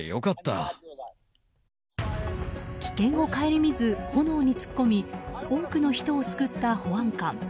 危険を顧みず炎に突っ込み多くの人を救った保安官。